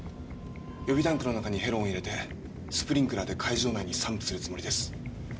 予備タンクの中にヘロンを入れてスプリンクラーで会場内に散布するつもりです。